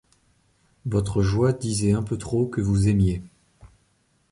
Votre joie disait un peu trop que vous aimiez.